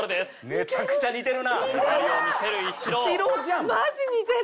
めちゃくちゃ似てる。